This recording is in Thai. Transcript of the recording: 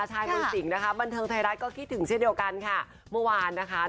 ชาวบ้านรู้รึเปล่า